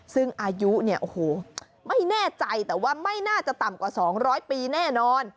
ซึ่งอายุเนี่ยโอ้โหไม่แน่ใจแต่ว่าไม่น่าจะต่ำกว่า๒๐๐ปีแน่นอน